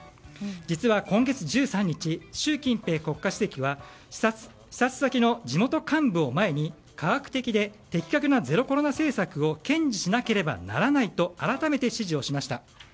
実は今月１３日習近平国家主席は視察先の地元幹部を前に科学的で的確なゼロコロナ政策を堅持しなければならないと改めて指示をしました。